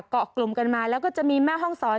เกาะกลุ่มกันมาแล้วก็จะมีแม่ห้องศร